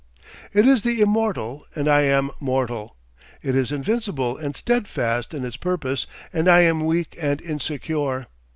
It is the immortal and I am mortal. It is invincible and steadfast in its purpose, and I am weak and insecure.